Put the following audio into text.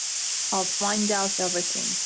I'll find out everything.